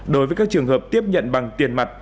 đối với các trường hợp tiếp nhận bằng tiền mặt